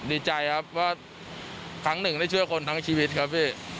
ดีใจครับว่าครั้งหนึ่งได้ช่วยคนทั้งชีวิตครับพี่